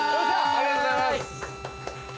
◆ありがとうございます。